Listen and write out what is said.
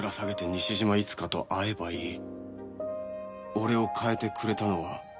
俺を変えてくれたのは